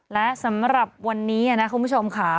และสำหรับวันนี้นะคุณผู้ชมค่ะ